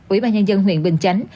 ủy ban nhân dân huyện bình chánh